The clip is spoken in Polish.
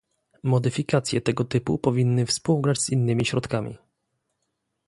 Modyfikacje tego typu powinny współgrać z innymi środkami